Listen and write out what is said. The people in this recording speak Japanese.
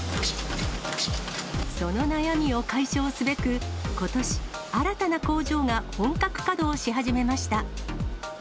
その悩みを解消すべく、ことし、新たな工場が本格稼働し始めました。